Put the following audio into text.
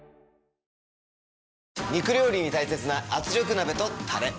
肉料理に大切な圧力鍋とタレ。